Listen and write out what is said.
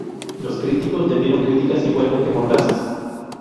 Los críticos le dieron críticas igualmente mordaces.